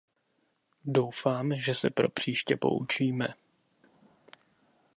Doufám, že se pro příště poučíme.